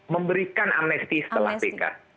memberikan amnesti setelah pk